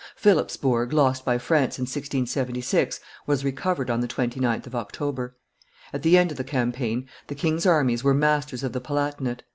Philipsburg, lost by France in 1676, was recovered on the 29th of October; at the end of the campaign, the king's armies were masters of the Palatinate.